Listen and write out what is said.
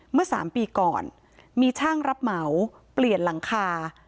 เมื่อ๓ปีก่อนมีช่างรับเหมาเปลี่ยนหลังคา